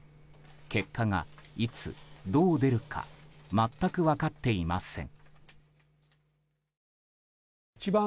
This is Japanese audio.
結果が、いつどう出るか全く分かっていません。